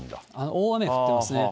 大雨降ってますね。